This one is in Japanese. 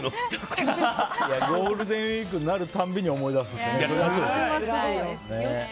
ゴールデンウィークになる度に思い出すっていうね。